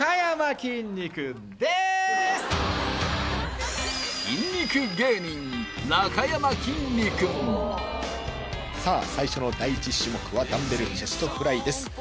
筋肉芸人・なかやまきんに君さあ最初の第１種目はダンベルチェストフライです